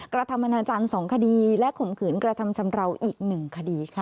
กระทำอนาจารย์๒คดีและข่มขืนกระทำชำราวอีก๑คดีค่ะ